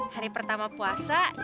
hari pertama puasa kita berdua